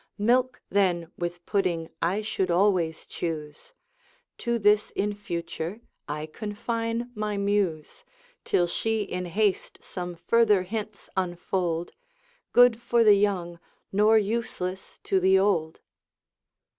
Milk, then, with pudding I should always choose; To this in future I confine my muse, Till she in haste some further hints unfold, Good for the young, nor useless to the old.